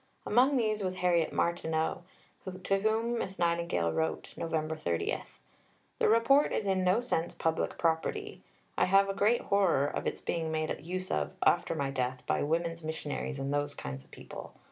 Among these was Harriet Martineau, to whom Miss Nightingale wrote (Nov. 30): "The Report is in no sense public property. And I have a great horror of its being made use of after my death by Women's Missionaries and those kinds of people.